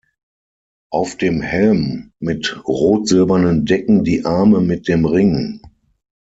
Auf dem Helm mit rot-silbernen Decken die Arme mit dem Ring.